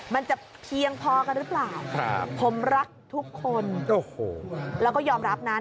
มันจะเพียงพอกันหรือเปล่าผมรักทุกคนโอ้โหแล้วก็ยอมรับนั้น